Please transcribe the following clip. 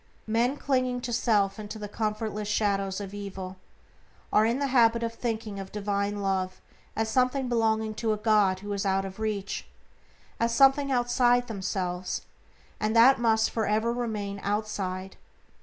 Men, clinging to self and to the comfortless shadows of evil, are in the habit of thinking of divine Love as something belonging to a God who is out of reach; as something outside themselves, and that must for ever remain outside.